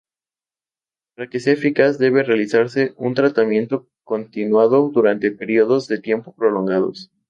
Para que sea eficaz debe realizarse un tratamiento continuado durante periodos de tiempo prolongados.